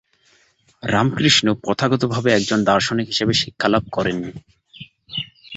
রামকৃষ্ণ প্রথাগতভাবে একজন দার্শনিক হিসেবে শিক্ষালাভ করেননি।